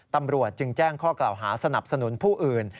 ตำรวจจึงแจ้งข้อกล่าวหาสนับสนุนผู้อื่น